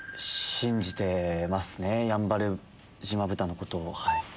信じてますねやんばる島豚のことを。